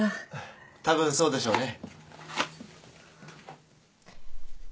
たぶんそうでしょうね。